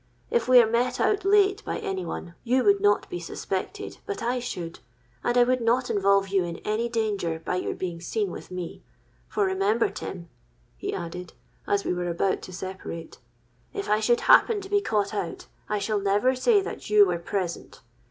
If you are met out late by any one, you would not be suspected; but I should—and I would not involve you in any danger by your being seen with me; for, remember Tim,' he added, as we were about to separate, 'if I should happen to be caught out, I shall never say that you were present.